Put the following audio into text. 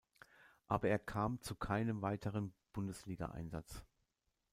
Aber er kam zu keinem weiteren Bundesligaeinsatz.